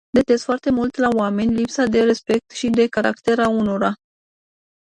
Detest foarte mult la oameni lipsa de respect și de caracter a unora.